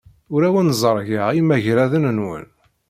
Ur awen-ẓerrgeɣ imagraden-nwen.